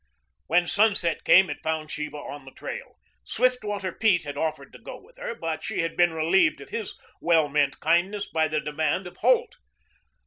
When sunset came it found Sheba on the trail. Swiftwater Pete had offered to go with her, but she had been relieved of his well meant kindness by the demand of Holt.